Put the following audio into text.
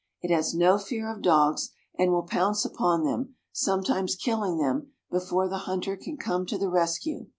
It has no fear of dogs, and will pounce upon them, sometimes killing them before the hunter can come to the rescue.